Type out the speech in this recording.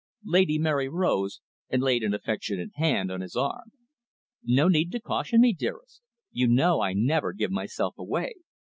Lady Mary rose, and laid an affectionate hand on his arm. "No need to caution me, dearest. You know I never give myself away.